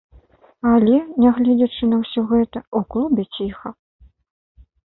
Але, нягледзячы на ўсё гэта, у клубе ціха.